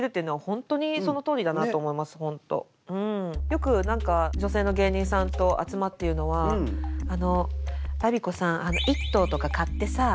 よく何か女性の芸人さんと集まって言うのは「バビ子さん１棟とか買ってさ